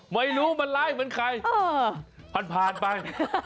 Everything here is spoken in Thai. ไม่รู้มันร้ายเหมือนใครผ่านผ่านไป